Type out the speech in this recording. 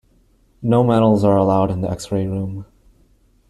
No metals are allowed in the x-ray room.